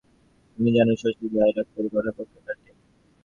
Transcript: যা তুমি জানো শশী, গাঁয়ে ডাক্তারি করার পক্ষে তাই ঢের।